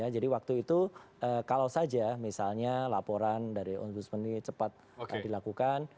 jadi waktu itu kalau saja misalnya laporan dari om busman ini cepat dilakukan